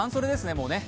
もうね。